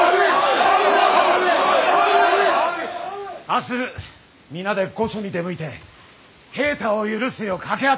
明日皆で御所に出向いて平太を許すよう掛け合ってくる。